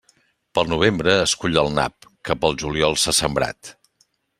Pel novembre es cull el nap que pel juliol s'ha sembrat.